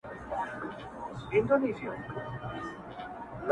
پېړۍ و سوه جګړه د تورو سپینو د روانه,